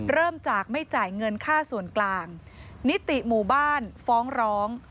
เริ่มจากไม่จ่ายเงินค่าส่วนกลางนิติหมู่บ้านฟ้องร้อง